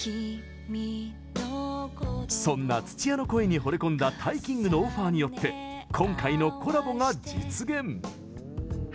そんな土屋の声にほれ込んだＴＡＩＫＩＮＧのオファーによって今回のコラボが実現。